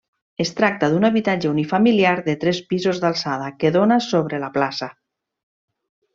Es tracta d'un habitatge unifamiliar de tres pisos d'alçada que dóna sobre la plaça.